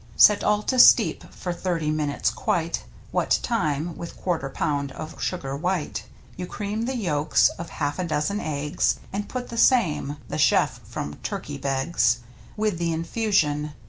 Set all to steep for thirty minutes quite. What time — with quarter pound of sugar white. You cream the yolks of half a dozen eggs. And put the same — the chef from Tur key begs — With the infusion.